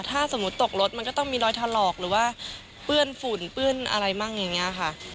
ถ้าสมมุติตกรถมันก็ต้องมีรอยถลอกหรือว่าเปื้อนฝุ่นเปื้อนอะไรมั่งอย่างนี้ค่ะ